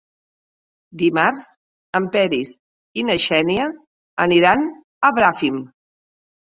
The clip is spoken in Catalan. Dimarts en Peris i na Xènia aniran a Bràfim.